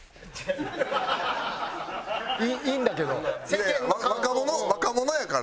いやいや若者若者やから。